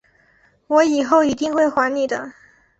我以后一定会还你的